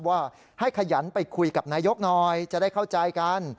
ว่าให้ขยันไปคุยกับนายกหน่อยจะได้เข้าใจกัน